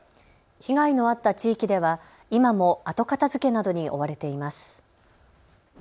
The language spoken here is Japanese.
被害のあった地域では今も後片づけなどに追われています。